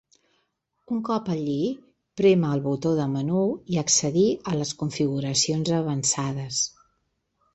Un cop allí, prémer el botó de menú i accedir a les configuracions avançades.